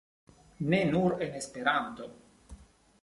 Ne nur en Esperanto.